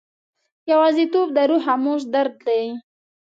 یوازیتوب د روح خاموش درد دی.